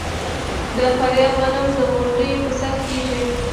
د فاریاب غنم د غونډیو په سر کیږي.